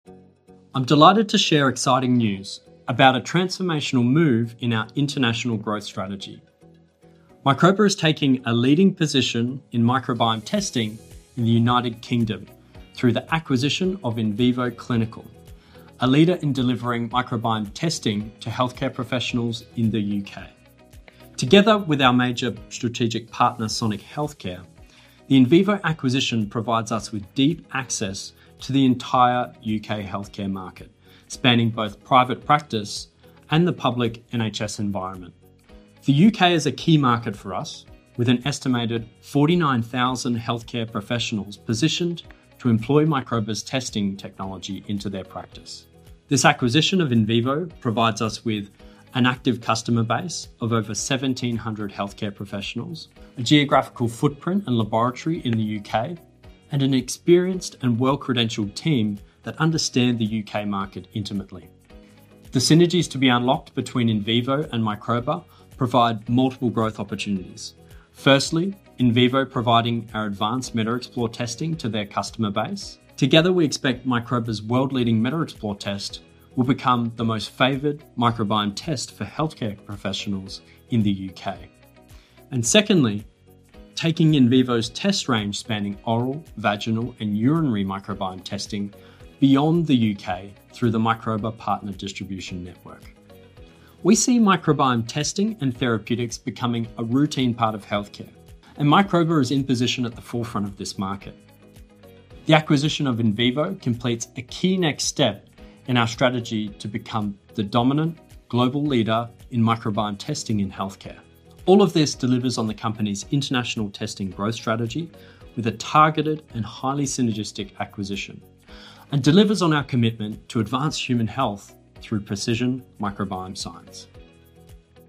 I'm delighted to share exciting news about a transformational move in our international growth strategy. Microba is taking a leading position in microbiome testing in the United Kingdom through the acquisition of Invivo Clinical, a leader in delivering microbiome testing to healthcare professionals in the UK. Together with our major strategic partner, Sonic Healthcare, the Invivo acquisition provides us with deep access to the entire UK healthcare market, spanning both private practice and the public NHS environment. The UK is a key market for us, with an estimated 49,000 healthcare professionals positioned to employ Microba's testing technology into their practice. This acquisition of Invivo provides us with an active customer base of over 1,700 healthcare professionals, a geographical footprint and laboratory in the UK, and an experienced and well-credentialed team that understand the UK market intimately. The synergies to be unlocked between Invivo and Microba provide multiple growth opportunities. Firstly, Invivo providing our advanced MetaXplore testing to their customer base. Together, we expect Microba's world-leading MetaXplore test will become the most favored microbiome test for healthcare professionals in the UK. And secondly, taking Invivo's test range, spanning oral, vaginal, and urinary microbiome testing beyond the UK through the Microba partner distribution network. We see microbiome testing and therapeutics becoming a routine part of healthcare, and Microba is in position at the forefront of this market. The acquisition of Invivo completes a key next step in our strategy to become the dominant global leader in microbiome testing in healthcare. All of this delivers on the company's international testing growth strategy with a targeted and highly synergistic acquisition, and delivers on our commitment to advance human health through precision microbiome science.